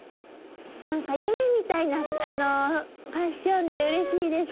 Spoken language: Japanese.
何か夢みたいなファッションでうれしいです。